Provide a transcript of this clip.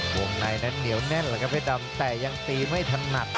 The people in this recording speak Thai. วงในนั้นเหนียวแน่นแหละครับเพชรดำแต่ยังตีไม่ถนัด